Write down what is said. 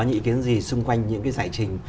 nhị kiến gì xung quanh những cái giải trình